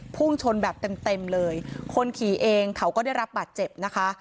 พุ่งชนแบบเต็มเต็มเลยคนขี่เองเขาก็ได้รับบาดเจ็บนะคะ